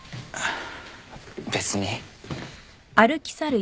別に。